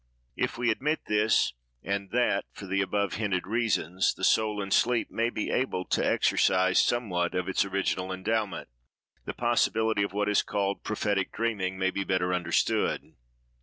If we admit this, and that, for the above hinted reasons, the soul in sleep may be able to exercise somewhat of its original endowment, the possibility of what is called prophetic dreaming may be better understood.